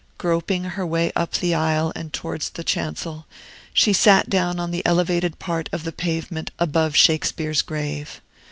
Groping her way up the aisle and towards the chancel, she sat down on the elevated part of the pavement above Shakespeare's grave.